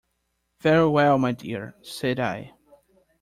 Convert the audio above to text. "Very well, my dear," said I.